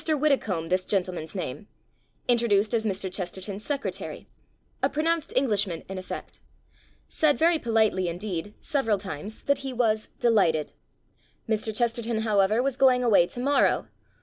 Widdecombe, this gentleman's name. Introduced as Mr. Ghesterton's'jsecre tary. A pronounced Englishman in effect. Said very politely indeed, sev eral times, that he was "delighted". Mr. Chesterton, however, was going away tomorrow.